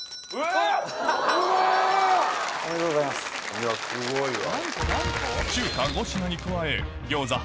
いやすごいわ。